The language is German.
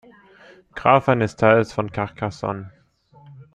Graf eines Teils von Carcassonne.